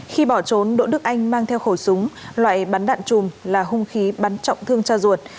khi bỏ trốn đỗ đức anh mang theo khẩu súng loại bắn đạn chùm là hung khí bắn trọng thương cha ruột